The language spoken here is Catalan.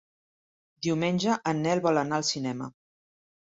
Diumenge en Nel vol anar al cinema.